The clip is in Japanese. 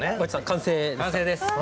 完成ですか？